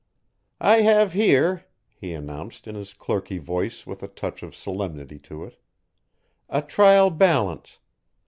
"I have here," he announced in his clerky voice with a touch of solemnity to it, "a trial balance.